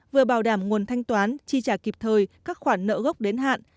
vừa bảo đảm nguồn thanh toán chi trả kịp thời các khoản nợ gốc đến hạn